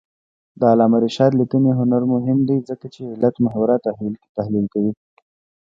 د علامه رشاد لیکنی هنر مهم دی ځکه چې علتمحوره تحلیل کوي.